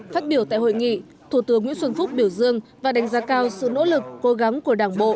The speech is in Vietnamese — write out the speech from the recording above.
phát biểu tại hội nghị thủ tướng nguyễn xuân phúc biểu dương và đánh giá cao sự nỗ lực cố gắng của đảng bộ